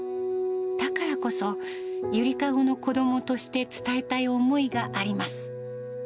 だからこそ、ゆりかごの子どもとして伝えたい思いがあります。